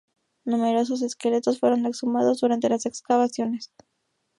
Numerosos esqueletos fueron exhumados durante las excavaciones.